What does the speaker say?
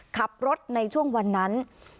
ขับรถในช่วงวันนั้น